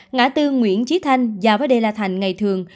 ngã tư nguyễn trí thanh giao với đê la thành ngày thường